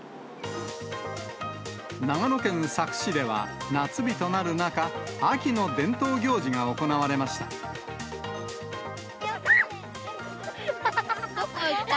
長野県佐久市では、夏日となる中、秋の伝統行事が行われました。